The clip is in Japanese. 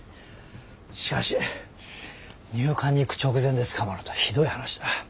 しかし入管に行く直前で捕まるとはひどい話だ。